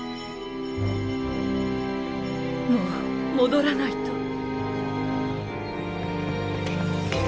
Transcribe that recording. もう戻らないと。